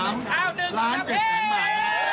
อ้าวหนึ่งสามแหมเอ้เอ้เอ้